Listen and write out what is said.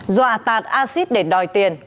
dò tạt acid để đòi tiền